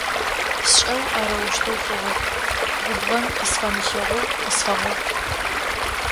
Сшӏэу арэущтэу хъугъэп! Губгъэн къысфэмылъэгъоу къысфэгъэгъу.